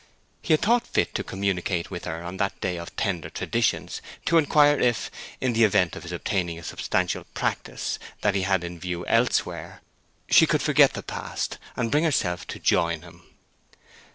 He had thought fit to communicate with her on that day of tender traditions to inquire if, in the event of his obtaining a substantial practice that he had in view elsewhere, she could forget the past and bring herself to join him.